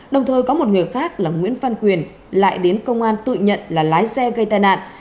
đồng thời có một người khác là nguyễn văn quyền lại đến công an tự nhận là lái xe gây tai nạn